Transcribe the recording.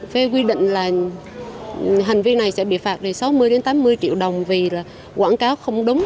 phê quy định là hành vi này sẽ bị phạt từ sáu mươi tám mươi triệu đồng vì quảng cáo không đúng